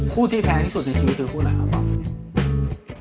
คู่ที่แพงที่สุดในชีวิตคือคู่ไหนครับป๊อบ